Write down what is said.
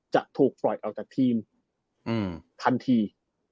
จะถูกปล่อยออกจากทีมทันที